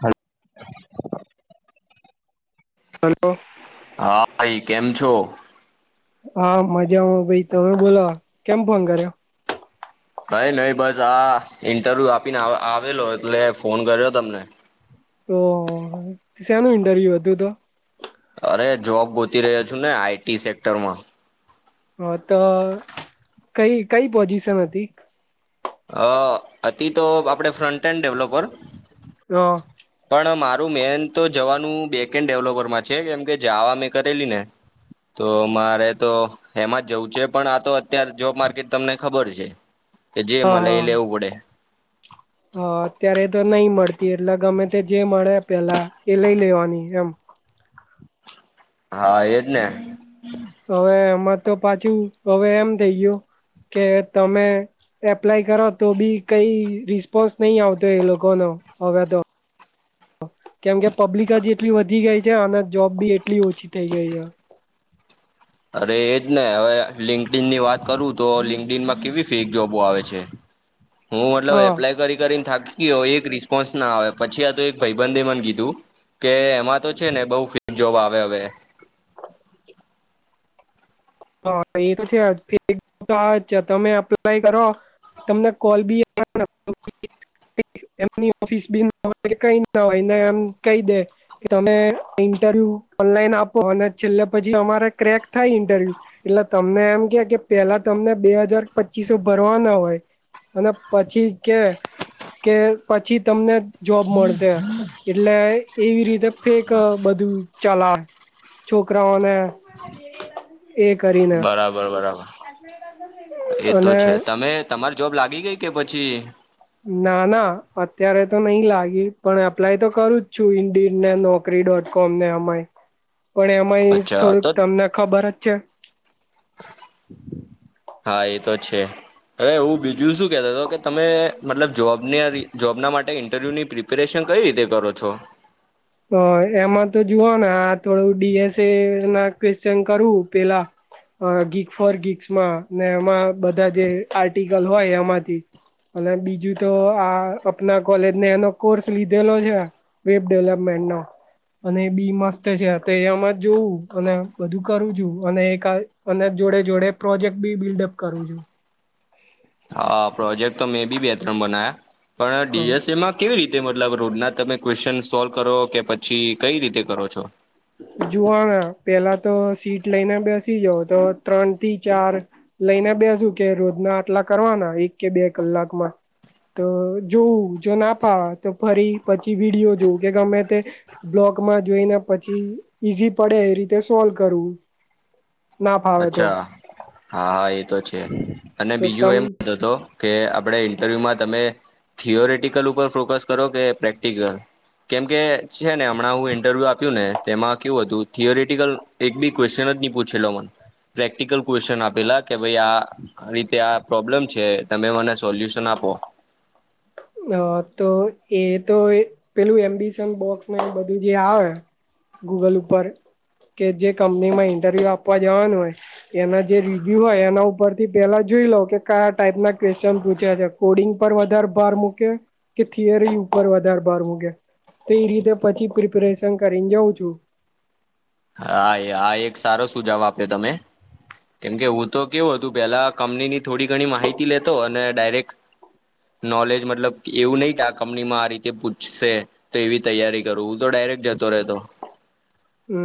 હા હલો હા ભાઈ કેમ છો? હા મજામાં ભઈ તમે બોલો કેમ ફોન કર્યા કઈ નહી બસ આ ઇન્ટરવ્યુ આપીને આવેલો એટલે ફોન કર્યો તમને તો શેનું ઇન્ટરવ્યુ હતું તો અરે જોબ ગોતી રહ્યો છું ને આઈટી સેક્ટરમાં હા તો કઈ કઈ પોઝિશન હતી. અ અતિ તો આપડે ફ્રન્ટન ડેવલોપ તો પણ મારું મેન તો જવાનું બેકેન્ડ ડેવલોપરમાં છે કેમ કે જાવા મેં કરેલી ને તો મારે તો એમાં જવું છે પણ આ તો અત્યારે જોબ માર્કેટ તમને ખબર છે. કે જે મલે ઈ લેવું પડે હ અત્યારે તો નહીં મળતી એટલે ગમે તે જે મળે પેલા એ લઈ લેવાની એમ હા એજ ને, હવે એમાં તો પાછું હવે એમ થઈ ગયુ કે તમે એપ્લાય કરો તો ભી કઈ રિસ્પોન્સ નહી આવતો એ લોકોનો. હવે તો કેમ કે પબ્લિક જ એટલી વધી ગઈ છે અને જોબ ભી એટલી ઓછી થઇ ગઈ યા. અરે એજ ને હવે લિંકડિનની વાત કરું તો લિંકડિનમાં કેવી ફેક જોબો આવે છે. હું મતલબ હા એપ્લાય કરી કરીને થાકી ગયો એક રિસ્પોન્સ ના આવે પછી આ તો એક ભાઈબધે મને કીધું કે એમાં તો છે ને બહુ જોબ આવે હવે હા એ તો છે ફેક તો આવે તમે અપ્લાય કરો તમને કોલ ભી [inaudible] [inaudible] [unintelligible] એમની ઓફિસ ભી ના હોય, કઈ ના હોય એમ કહી દે તમે ઇન્ટરવ્યુ ઓનલાઈન આપો અને છેલ્લે પછી અમારે ક્રેક થાય ઇન્ટરવ્યુ એટલે તમને એમ કે કે પેલા તમને બે હજાર, પચીસો ભરવાના હોય અને પછી કે કે પછી તમને જોબ મળશે એટલે એવી રીતે ફેક બધું ચલાય છોકરાઓને એ કરીને બરાબર બરાબર એ તો અને છે તમે તમાર જોબ લા લાગી ગઈ કે પછી ના ના અત્યારે તો નહી લાગી પણ એપ્લાય તો કરું જ છું [unintelligible] નોકરી ડોટ કોમ ને આમાં [inaudible] પણ એમાંય અચ્છા થોડુંક તો તમને ખબર જ છે. હા એ તો છે. અરે એવું બીજું શું કેતો હતો કે તમે મતલબ જોબને જોબના માટ તે ઇન્ટરવ્યુની પ્રિપેરેશન કઈ રીતે કરો છો? હ એમાં તો જોવુને આ થોડું ડી એસ એ ના ક્વેશ્ચન કરું પેલા. અ ગીક ફોર ગીસમાં ને એમાં બધા જે આર્ટિકલ હોય એમાંથી અને બીજું તો આ અપના કોલેજને એનો કોર્સ લીધેલો છે વેબ ડેવલપ મેન્ટ નો. અને એ બી મસ્ત છે એમાં જ જોવું અને બધું કરું છું અને એક અને જોડે જોડે પ્રોજેક્ટ બી બિલ્ડઅપ કરું છું. હા પ્રોજેક્ટ તો મેં બી બે ત્રણ બનાયા પણ હ ડી એસ એમાં કેવી રીત તે મતલબ રોડ ના તમે કવેસન સોલ્વ કરો કે પછી કઈ રીતે કરો છો. જુવાન પેલા તો સીટ લઈને બેસી જાવ તો ત્રણ થી ચાર લઈને બેસું કે રોજના આટલા કરવાના એક કે બે કલાકમાં. તો જોવું જો ના ફાવે તો ફરી પછી વિડીયો જોવું કે ગમે તે બ્લોગ [unintelligible] જોઈને પછી ઈઝી પડે એ રીતે સોલ્વ કરવું. ના ફાવે તો અચ્છા હા એ તો છે અને તો બીજું તમ એમ કહેતો તો કે આપણે ઇન્ટરવ્યુમાં તમે થીયોરેટિકલ ઉપર ફોકસ કરો કે પ્રેક્ટિકલ. કેમકે છે ને હમણાં હું ઇન્ટરવ્યુ આપ્યું ને તેમાં કેવું હતું થિયોરેટિકલ એક બી ક્વેશ્ચન [unintelligible] ની પૂછેલો મન પ્રેક્ટિકલ ક્વેશન આપેલા કે ભાઈ આ રીતે આ પ્રોબ્લેમ છે તમે મને સોલ્યુશન ના આપો. હ તો એ તો પેલું એમ્બિશન બોક્સ બધું જે આવે. ગૂગલ ઉપર. કે જે કંપની માં ઇન્ટરવ્યુ આપવા જવાનું હોય એના જે રિવ્યુ હોય એના ઉપર થી પેલા જોઈ લો કે કયા ટાઈપ ના ક્વેશ્ચન પૂછ્યા છે કોડિંગ પર વધારે ભાર મૂક કે કે થિયરી ઉપર વધારે ભાર મુકે. તે એ રીતે પછી પ્રિપરેશન કરીને જાઉં છું. હા એ આ એક સારો સુજાવ આપ જો તમે કેમકે હું તો કેવું હતું પેલા કંપની ની થોડી ઘણી માહિતી લેતો અને ડાયરેક્ટ નોલેજ મતલબ એવું નહી કે આ કંપનીમાં આ રીતે પૂછશે તેવી તૈયારી કરવું તો ડાયરેક્ટ જતો રહેતો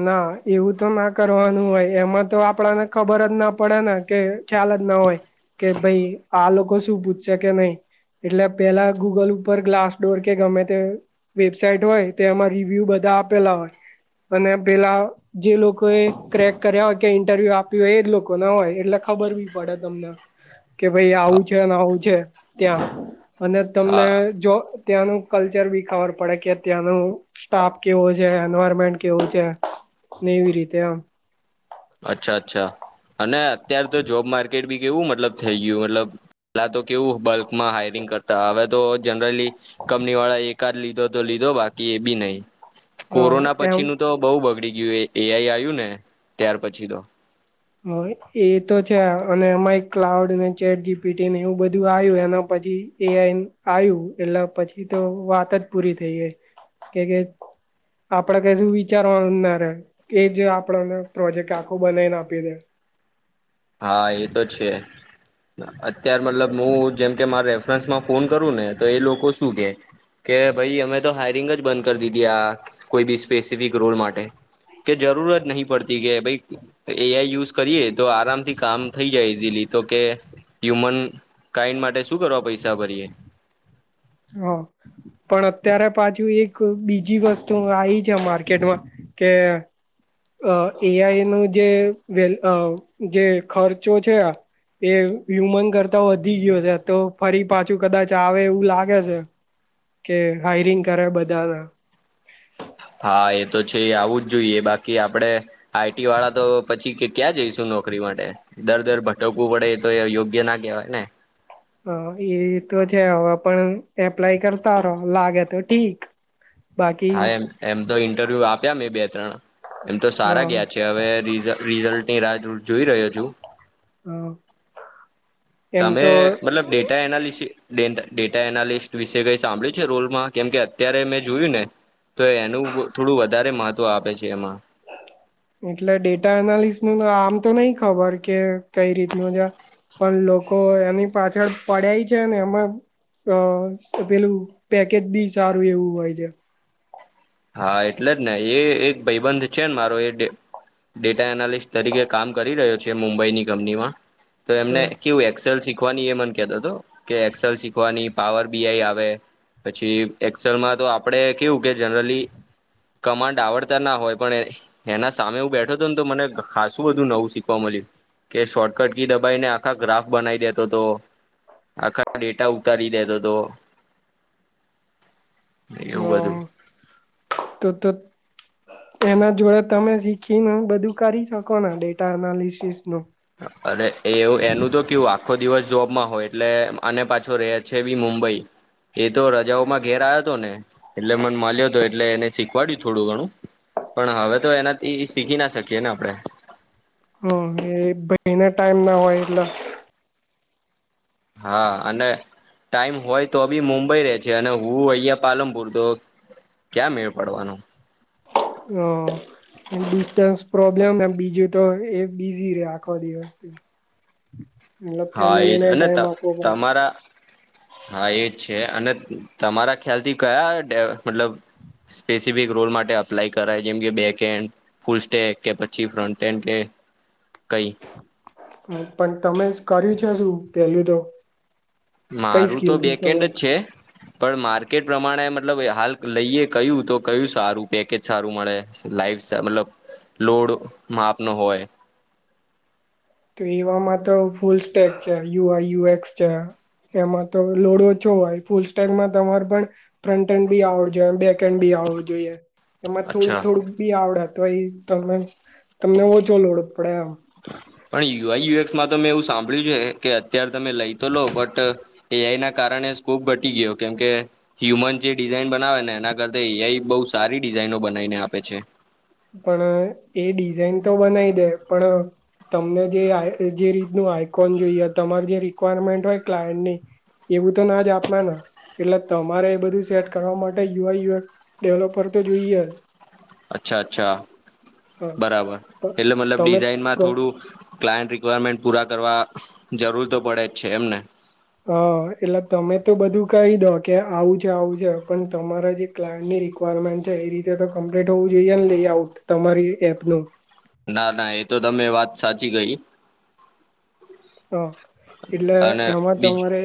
ના એવું તો ના કરવાનું હોય એમાં તો આપણા ને ખબર જ ના પડે ને કે ખ્યાલ જ ના હોય કે ભાઈ આ લોકો શું પૂછશે કે નહી એટલે પેલા ગૂગલ ઉપર ગ્લાસ ડોર કે ગમે તે વેબસાાઈટ હોય તે એમાં રિવ્યુ બધ તો આપેલા હોય. અને પેલા જે લોકોએ ક્રેક કર્યા હોય કે ઇન્ટરવ્યુ આપ્યું હોય એજ લોકો ના હોય એટલે ખબર ખબર બી પડે તમને. કે ભાઈ હા આવું છે અને આવું છે ત્યાં અને તમને હા જો ત્યાંનું કલ્ચર બી ખબર પડે કે ત્યાંનું સ્ટાફ કેવો છે એન્વારમેન્ટ કેવું છે આ ને એવી રીતે આમ. અચ્છા અચ્છા અને અત્યાર તો જોબ માર્કેટ બી કેવું મતલબ થઈ ગયું મતલબ પેલા તો કેવું બલ્કમાં હાયરિંગ કરતા હવે તો જનરલી કંપની વાળા એકાદ લીધો તો લીધો બાકી એ બી નહી. હા કોરોના પછી એમ નું તો બહુ બગડી ગયું એઆઈ આવ્યું ને ત્યાર પછી તો હ એ તો છે અને એમાં એક ક્લાઉડ ચેટ જીપીટીને એવું બધું આવ્યું એના પર પછી એ આવ્યું એટલે પછી તો વાત જ પૂરી થઈ ગઇ કે કે આપણે કશું વિચારવાનું ના રે એ જ આપણને પ્રોજેક્ટ આખો બનાવીને આપે પેરેન્સ હા એ તો છે અત્યાર મતલબ હું જેમ કે મારે પર્સનલ ફોન કરું ને તો એ લોકો શું કે કે ભાઈ અમે તો હાયરિંગ જ બંધ કરી દીધી આ કોઈ બી સ્પેસિફિક રોલ માટે કે જરૂરત નહીં પડતી કે ભાઈ એ આઈ યુઝ કરીએ તો આરામ કામ થઈ જાય ઈઝીલી તો કે હ્યુમન કાઈન્ડ માટે શું કરવા પૈસા ભરીએ હા પણ અત્યારે પાછુ એક બીજી વસ્તુ આવી છે માર્કેટમાં કે અ એ આઈનું જે વેલ અ જે ખર્ચો છે આ એ હ્યુમન કરતા વધી ગયો છે તો ફરી પાછું કદાચ આવે એવું લાગે છે કે હાઈરિંગ કરે બધાંના હા એ તો છે આવું જ જોઈએ બાકી આપડે આઈટી વાળા તો પછી ક્યાં જઈશ નોકરી માટે દર દર ભટકવું પડે એ તો એ યોગ્ય ના કહેવાય ને હ એ તો છે હવે પણ એપ્લાય કરતા રહો લાગે તો ઠીક બાકી હા એમ એમ તો ઇન્ટરવ્યુ આપ્યા મેં બે ત્રણ એમ તો હ હ સારા ગયા છે હવે રિઝલ્ટ રીઝલ્ટની રાહ જોઈ રહ્યો છું હ તમે મતલબ data analysis data data analyst વિશે કઈ સાંભળ્યું છે રોલમાં કેમ કે અત્યારે મેં જોયું ને તો એનું થોડું વધારે મહત્ત્વ આપે છે એમાં એટલે ડેટા એનાલિસનું આમ તો નહીં ખબર કે કઈ રીતનું છે પણ લોકો એની પાછળ પડાઈ છે ને એમાં અ પેલું પેકેજ બી સારું એવું હોય છે હા એટલે જ ને એ એક ભઈબંધ છે ને મારો એ ડે ડેટા એનાલિસ્ટ તરીકે કામ કરી રહ્યો છે મુંબઈની કંપનીમાં તો એમને કેવું એક્સેલ શીખ શીખવાની એ મન કેતો તો કે એક્સેલ શીખવાની પાવર બીઆઈ આવે પછી એક્સેલમાં તો આપડે કેવું કે જનરલી કમાન્ડ આવડતા ના હોય પણ એના સામે હું બેઠો તો ને તો મને ખાસું બધું નવું શીખવા મળ્યું. કે શોર્ટકટ કી દબાઈને આખા ગ્રાફ બનાવી દેતો તો. આખા ડેટા ઉતારી દેતો તો. હ અ તો ત. એના જોડે તમે શીખીને બધું કરી શકો ને ડેટા એનાલિસિસ નું અરે એવું એનું તો કેવું આખો દિવસ જોબમાં હોય એટલે અને પાછો રે છે બી મુંબઈ એ તો રજાઓમાં ઘેર આયો તો ને એટલે મન મલ્યો તો એટલે એને શીખવાડ્યું થોડું ઘણું પણ હવે તો એના એ શીખી ના શકીએ ને આપણેે હ એ ભઈને ટાઈમ ના હોય એટલે હા અને ટાઈમ હોય તો બી મુંબ બઈ રે છે અને હું અહિયાં પાલનપુર તો ક્યાં મેળ પડવાનું અને ડિસ્ટન્સ પ્રોબ્લેમ એમ બીજું તો એ બીઝી રે આખો દિવસ એટલે હા એજ ફેમિલીને અને ત ટાઈમ આપવો તમારા હા એજ છે અને તમારા ખ્યાલથી કયા ડે મતલબ સ્પેસિફિક રોલ માટે અપ્લાય કરાય જેમ કે બેકહેેન્ડ, ફૂલ સ્ટેક, કે પછી ફ્રન્ટ હેન્ડ કે કઈ હ પન તમે કર્યું છે શું પેલું તો? કઈ મારું તો સ્કીલ છે બેકેન્ડ જ તમારે છે, પણ માર્કેટ પ્રમાણે મતલબ હાલ લઈએ કયું તો કયું સારું પેકેજ સારું મળે લાઈફ સ મતલબ લો ડો માપનો હોય. તો એવામાં તો ફૂલ સ્ટેક છે, યુ. આઈ. યુ. એક્સ. છે. એમાં તો લોડો ચો હોય ફૂલ સ્ટેકમાં તમારે પણ ફ્રન્ટ એન્ડ બી આવડવો જો અને બેક હન્ડ બી આવડવું જોઈએ. એમાં થોડુંક અચ્છા થોડુંક બી આવડે તો ઈ તમે તમને ઓછો લોડો પડે એ પણ યુ. આઈ. યુ. એક્સ. માં તો મેં એવું સાંભળ્યું છે કે, અત્યારે તમે લઈ તો લો બટ એ. આઈ. ના કારણે સ્કોપ ઘટી ગયો કેમ કે હ્યુમન જે ડિઝાઇન બનાવે ને એના કરતા એ. આઈ. બહુ સારી ડિઝાઇનો બનાવીને આપે છે પણ એ ડિઝાઇન તો બનાઈ તેમ પણ તમને જે રીતનું આઈકોન જોઈએ તમારે જે રિક્વાયરમેન્ટ હોય [unintelligible] એવું તો ના જ આપ ના. એટલે તમારે એ બધું સેટ કરવા માટે U. I. U. X. Developer તો જોઈએ જ. અચ્છા અચ્છા હ બરાબર એટલે મતલબ તમે ડિઝાઇનમાં પ્રો થોડું ક્લાયન્ટ રિક્વાયરમેન્ટ પૂરા કરવા જરૂર તો પડે જ છે એમને. હ એટલે તમે તો બધું કહી દો કે આવું છે, આવું છે, પણ તમારા જે ક્લાયન્ટની રિકવારમેન્ટ છે એ રીતે તો કમ્પ્લીટ હોવું જોઈએ ને લેઆઉટ તમારી એપનુ. ના ના એ તો તમે વાત સાચી કઈ. હા એટલે એમાં બીજું તમારે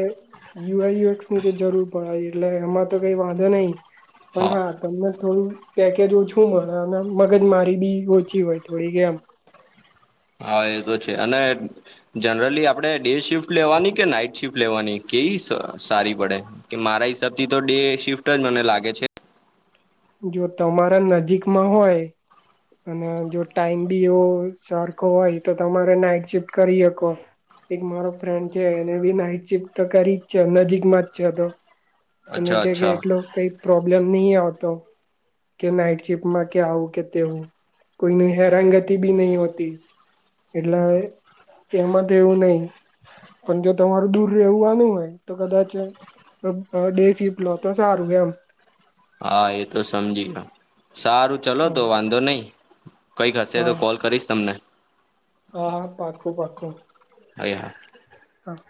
યુ. આઈ. યુ. એક્સ. ની તો જરૂર પડાય એટલે એમાં તો કઈ વાંધો નહિ. પણ હા તમને થોડું પેકેજ ઓછું મળે મગજ મારી બી ઓછી હોય થોડીક એમ. હા એ તો છે અને જનરલી આપણે ડે શિફ્ટ લેવાની કે નાઈટ શિફ્ટ લેવાની. કેવી સારી પડે કે મારા હિસાબથી તો ડે શિફ્ટ જ મને લાગે છે. જો તમારા નજીકમાં હોય અને જો ટાઈમ ભી એવો સરખો હોય તો તમારે નાઈટ શિફ્ટ કરી અકો. એક મારો ફ્રેન્ડ છે એને ભી નાઈટ શિફ્ટ તો કરી જ છે નજીકમાં જ છે તો અને અચ્છા કે કે અચ્છા એટલો કઈ પ્રોબ્લેમ નહી આવતો કે નાઈટ શિફમાં કે આવું કે તેવું કોઈની હેરાનગતિ ભી નહી હોતી એટલે હવે એમાં તો એવું નહી. પણ જો તમારું દૂર રેવાનું હોય તો કદાચ ડે સીફટ લો તો સારું એમ હા એતો સમજી ગયો, સારું ચલો હા તો વાંધો નહી. કંઈક હશે તો હા કોલ કરીશ તમને હા પાકું પાકું એ હા. હા.